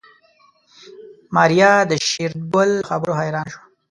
ماريا د شېرګل له خبرو حيرانه شوه.